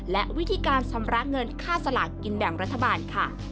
และวิธีการชำระเงินค่าสลากกินแบ่งรัฐบาลค่ะ